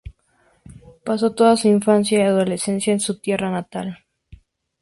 Pasó toda su infancia y adolescencia en su tierra natal.